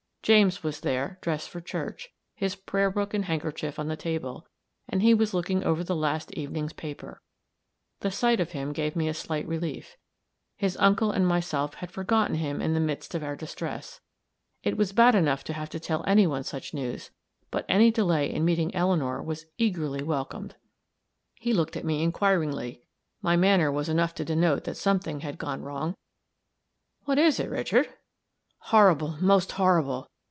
James was there, dressed for church, his prayer book and handkerchief on the table, and he looking over the last evening's paper. The sight of him gave me a slight relief; his uncle and myself had forgotten him in the midst of our distress. It was bad enough to have to tell any one such news, but any delay in meeting Eleanor was eagerly welcomed. He looked at me inquiringly my manner was enough to denote that something had gone wrong. "What is it, Richard?" "Horrible most horrible!"